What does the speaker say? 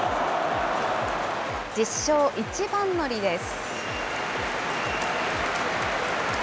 １０勝一番乗りです。